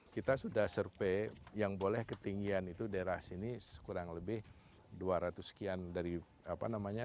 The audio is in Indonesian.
kita sudah survei yang boleh ketinggian itu daerah sini kurang lebih dua ratus sekian dari apa namanya